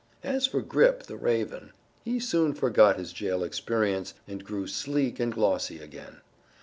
As for Grip, the raven, he soon forgot his jail experience and grew sleek and glossy again.